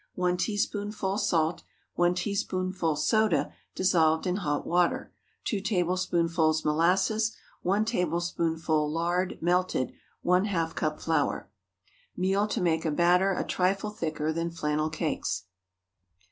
1 teaspoonful salt. 1 teaspoonful soda dissolved in hot water. 2 tablespoonfuls molasses. 1 tablespoonful lard, melted. ½ cup flour. Meal to make a batter a trifle thicker than flannel cakes.